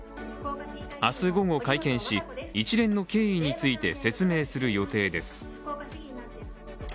明日午後会見し一連の経緯について説明する予定です。